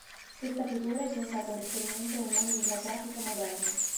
Questa figura è diventata un riferimento nel mondo della grafica moderna.